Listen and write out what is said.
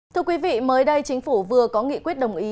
thưa quý vị mới đây chính phủ vừa có nghị quyết đồng ý